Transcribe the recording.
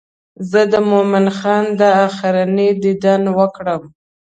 زه د مومن خان دا آخرنی دیدن وکړم.